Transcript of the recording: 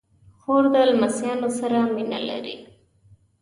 خور د لمسيانو سره مینه لري.